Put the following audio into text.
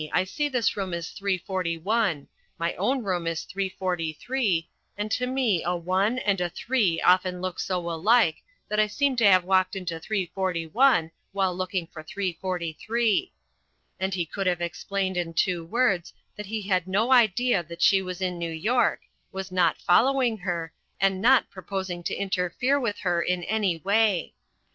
I see this room is 341. My own room is 343, and to me a one and a three often look so alike that I seem to have walked into 341 while looking for 343." And he could have explained in two words that he had no idea that she was in New York, was not following her, and not proposing to interfere with her in any way.